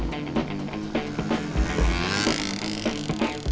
benar benar di mogok